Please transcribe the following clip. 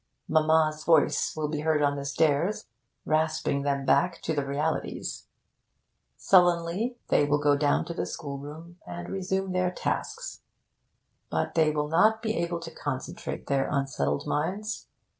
Mamma's voice will be heard on the stairs, rasping them back to the realities. Sullenly they will go down to the schoolroom, and resume their tasks. But they will not be able to concentrate their unsettled minds.